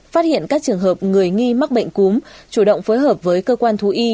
phát hiện các trường hợp người nghi mắc bệnh cúm chủ động phối hợp với cơ quan thú y